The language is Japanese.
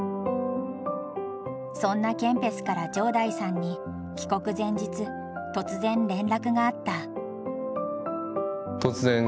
そんなケンペスから城台さんに帰国前日突然連絡があった。